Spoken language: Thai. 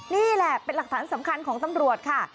นี่แหละเป็นหลักฐานสำคัญของตำรวจค่ะ